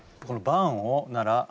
この「バーン」をなら。